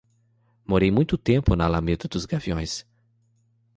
Morei muito tempo na Alameda dos Gaviões.